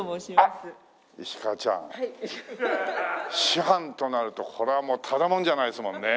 師範となるとこれはもうただ者じゃないですもんね。